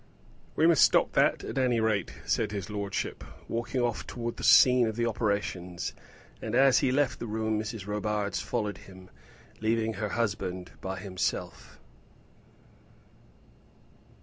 "We must stop that at any rate," said his lordship, walking off towards the scene of the operations; and as he left the room Mrs. Robarts followed him, leaving her husband by himself.